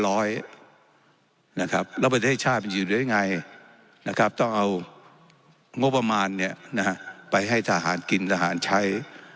แล้วประเทศชาติมันอยู่ได้ยังไงนะครับต้องเอางบประมาณไปให้ทหารกินทหารใช้